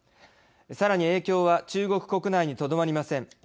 さらに影響は中国国内にとどまりません。